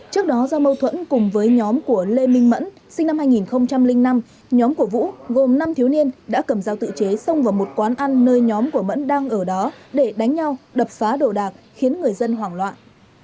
trước đó do mâu thuẫn cùng với nhóm của lê minh mẫn sinh năm hai nghìn năm nhóm của vũ gồm năm thiếu niên đã cầm dao tự chế xông vào một quán ăn nơi nhóm của mẫn đang ở đó để đánh nhau đập phá đồ đạc khiến người dân hoảng loạn